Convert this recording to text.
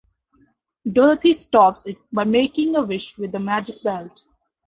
Dorothy stops it by making a wish with the magic belt.